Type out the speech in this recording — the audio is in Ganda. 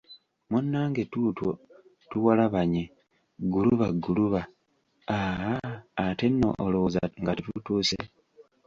Munnange tuutwo, tuwalabanye, gguluba gguluba, aaa ate nno olowooza nga tetutuuse?